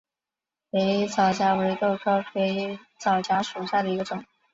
肥皂荚为豆科肥皂荚属下的一个种。